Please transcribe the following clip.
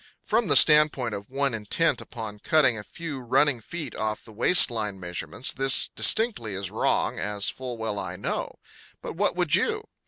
From the standpoint of one intent upon cutting a few running feet off the waistline measurements this distinctly is wrong, as full well I know. But what would you?